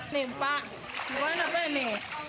nih pak buahnya apa ini